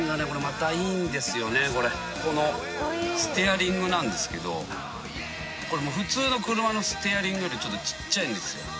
このステアリングなんですけどこれ普通の車のステアリングよりちょっとちっちゃいんですよ。